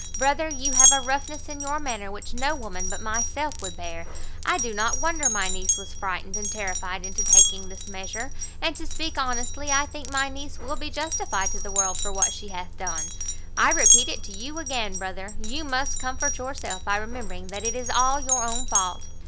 Brother, you have a roughness in your manner which no woman but myself would bear. I do not wonder my niece was frightened and terrified into taking this measure; and, to speak honestly, I think my niece will be justified to the world for what she hath done. I repeat it to you again, brother, you must comfort yourself by rememb'ring that it is all your own fault.